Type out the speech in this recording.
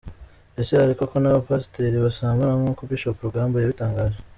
Ese hari koko n'abapasiteri basambana nkuko Bishop Rugamba yabitangaje?.